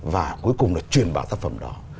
và cuối cùng là truyền bảo tác phẩm đó